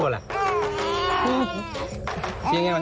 เร็ว